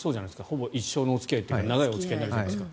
ほぼ一生のお付き合いというか長いお付き合いになるじゃないですか。